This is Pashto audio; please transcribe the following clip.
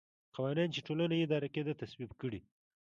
قوانین چې ټولنه اداره کېده تصویب کړي.